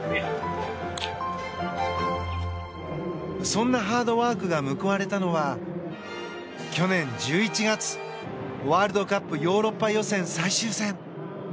そんなハードワークが報われたのは去年１１月、ワールドカップヨーロッパ予選最終戦。